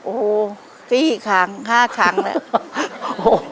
โอ้โห๔ครั้ง๕ครั้งแล้ว